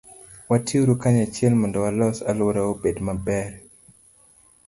Watiuru kanyachiel mondo walos alworawa obed maber.